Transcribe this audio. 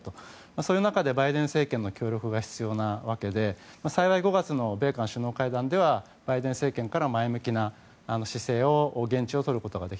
そういう中でバイデン政権の協力が必要なわけで幸い、５月の米韓首脳会談ではバイデン政権から前向きな姿勢を言質をとれたと。